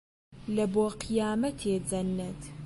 لە بۆ قیامەتێ جەننەت